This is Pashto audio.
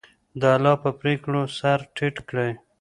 د الله په پرېکړو سر ټیټ کړئ.